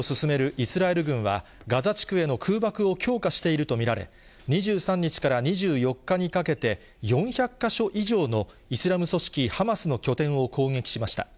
イスラエル軍は、ガザ地区への空爆を強化していると見られ、２３日から２４日にかけて、４００か所以上のイスラム組織ハマスの拠点を攻撃しました。